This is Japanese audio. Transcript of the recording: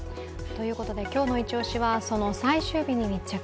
ということで今日の「イチオシ」はその最終日に密着。